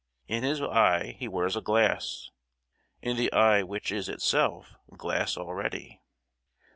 In his eye he wears a glass—in the eye which is itself glass already.